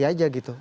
nanti saja gitu